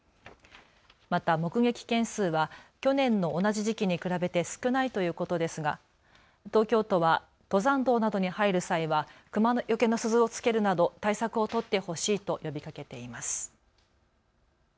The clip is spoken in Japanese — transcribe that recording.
また目撃件数は去年の同じ時期に比べて少ないということですが東京都は登山道などに入る際はクマよけの鈴をつけるなど対策を取ってほしいと呼びかけています。